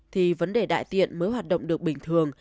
thì vấn đề đại tiện mới hoạt động được bình thường